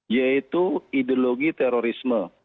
yaitu ideologi terorisme